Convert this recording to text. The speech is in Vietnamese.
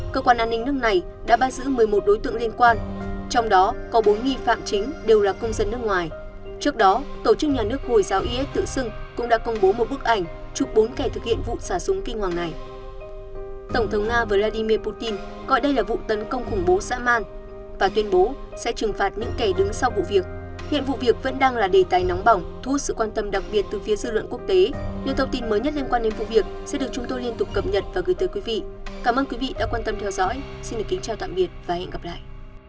cảm ơn quý vị đã quan tâm theo dõi xin được kính chào tạm biệt và hẹn gặp lại